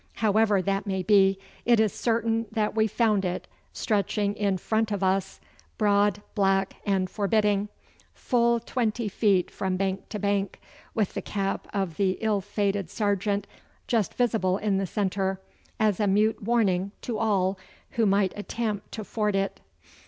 However that may be, it is certain that we found it stretching in front of us, broad, black, and forbidding, full twenty feet from bank to bank, with the cap of the ill fated sergeant just visible in the centre as a mute warning to all who might attempt to ford it.